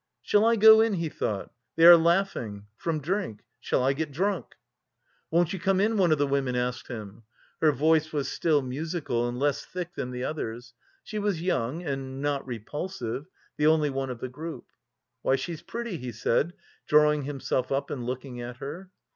"Shall I go in?" he thought. "They are laughing. From drink. Shall I get drunk?" "Won't you come in?" one of the women asked him. Her voice was still musical and less thick than the others, she was young and not repulsive the only one of the group. "Why, she's pretty," he said, drawing himself up and looking at her.